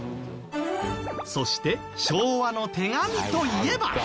そして昭和の手紙といえば。